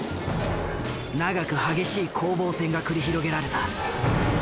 長く激しい攻防戦が繰り広げられた。